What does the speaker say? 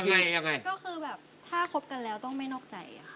ก็คือแบบถ้าคบกันแล้วต้องไม่นอกใจ